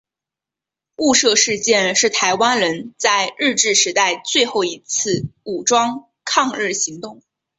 雾社事件是台湾人在日治时代最后一次武装抗日行动。